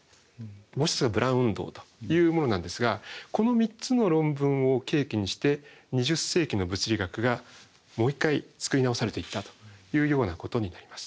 もう一つがブラウン運動というものなんですがこの３つの論文を契機にして２０世紀の物理学がもう一回作り直されていったというようなことになります。